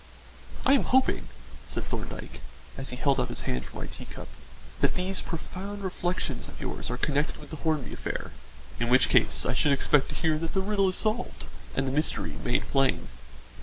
"I am hoping," said Thorndyke, as he held out his hand for my teacup, "that these profound reflections of yours are connected with the Hornby affair; in which case I should expect to hear that the riddle is solved and the mystery made plain."